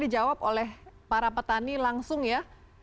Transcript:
dijawab oleh para petani langsung ya